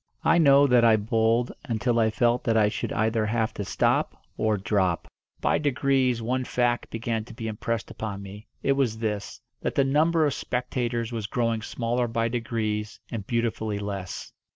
I know that I bowled until I felt that I should either have to stop or drop. By degrees one fact began to be impressed upon me. It was this that the number of spectators was growing smaller by degrees and beautifully less.